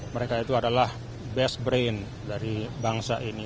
mereka itu adalah best brain dari bangsa ini